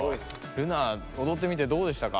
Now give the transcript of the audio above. ルナおどってみてどうでしたか？